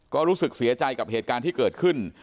ก็รู้สึกเสียใจกับเหตุการณ์ที่เกิดขึ้น